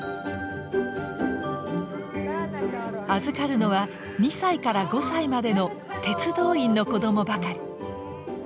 預かるのは２歳から５歳までの鉄道員の子どもばかり。